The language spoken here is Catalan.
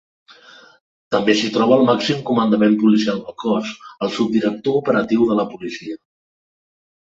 També s'hi troba el màxim comandament policial del cos: el Subdirector Operatiu de la Policia.